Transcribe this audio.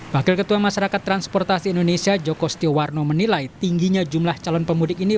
wakil ketua masyarakat transportasi indonesia joko stiwarno menilai tingginya jumlah calon pemudik ini